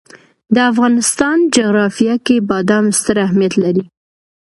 د افغانستان جغرافیه کې بادام ستر اهمیت لري.